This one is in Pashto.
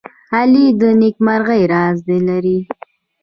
غلی، د نېکمرغۍ راز لري.